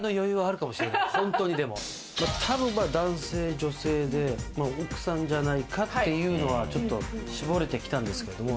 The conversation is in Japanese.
多分、男性女性で、奥さんじゃないかっていうのはちょっと絞れてきたんですけども。